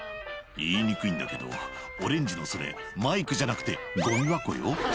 「言いにくいんだけどオレンジのそれマイクじゃなくてゴミ箱よ」